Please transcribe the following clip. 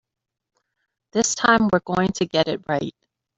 This time we're going to get it right.